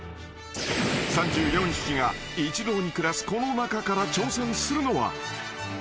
［３４匹が一堂に暮らすこの中から挑戦するのは］